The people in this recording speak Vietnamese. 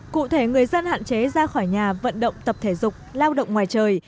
cụ thể người dân hạn chế ra khỏi nhà vận động tập thể dục lao động ngoài trời